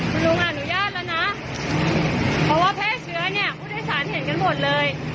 คุณลุงอนุญาตแล้วนะเพราะว่าแพร่เชื้อเนี่ยผู้โดยสารเห็นกันหมดเลย